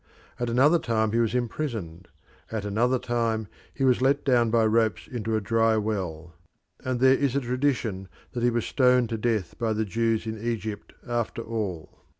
At another time he was imprisoned; at another time he was let down by ropes into a dry well; and there is a tradition that he was stoned to death by the Jews in Egypt after all.